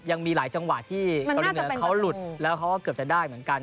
ยังมีหลายจังหวะที่เขาหลุดแล้วเขาก็เกือบจะได้เหมือนกัน